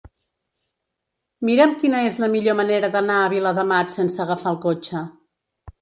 Mira'm quina és la millor manera d'anar a Viladamat sense agafar el cotxe.